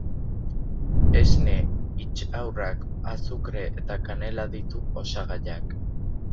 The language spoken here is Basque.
Esne, intxaurrak, azukre eta kanela ditu osagaiak.